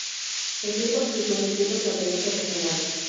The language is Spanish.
El club participó en distintos campeonatos regionales.